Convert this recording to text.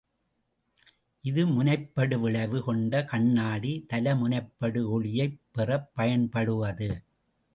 இது முனைப்படு விளைவு கொண்ட கண்ணாடி, தல முனைப்படு ஒளியைப் பெறப் பயன்படுவது.